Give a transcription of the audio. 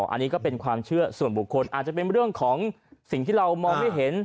อันนี้ก็เป็นความเชื่อส่วนบุคคลอาจจะเป็นเรื่องของสิ่งที่เรามองไม่เห็น